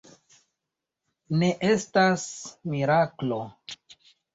Ne estas miraklo.